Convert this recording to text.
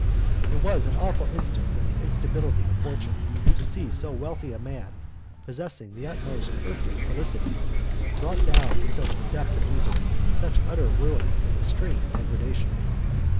It was an awful instance of the instability of fortune, to see so wealthy a man, possessing the utmost earthly felicity, brought down to such a depth of misery, such utter ruin and extreme degradation.